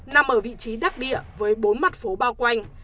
nằm ở vị trí đắc địa với bốn mặt phố bao quanh